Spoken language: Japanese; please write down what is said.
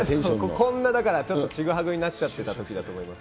こんなちょっとちぐはぐになっちゃってたときだと思います。